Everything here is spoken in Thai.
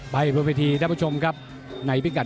ไปพบพิธีท่านผู้ชมครับในพิกัด๑๐๕ป